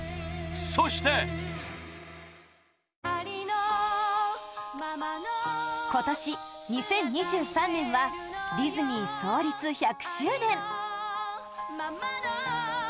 そして今年２０２３年はディズニー創立１００周年